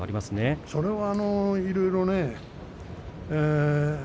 それはいろいろね。